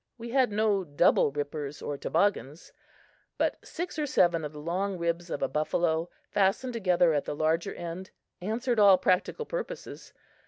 We had no "double rippers" or toboggans, but six or seven of the long ribs of a buffalo, fastened together at the larger end, answered all practical purposes.